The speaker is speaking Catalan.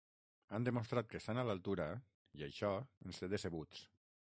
Han demostrat que estan a l'altura, i això ens té decebuts.